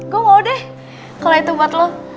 gue mau deh kalau itu buat lo